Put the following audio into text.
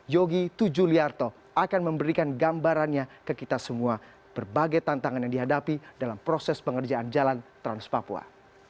yogi tujuliarto akan memberikan gambarannya ke kita semua berbagai tantangan yang dihadapi dalam proses pengerjaan jalan trans papua